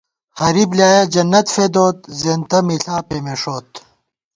ہَرِی بلیایہ جنّت فېدوت، زېنتہ مِݪا پېمېݭوت